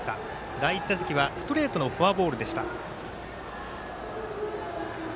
第１打席はストレートのフォアボールでした。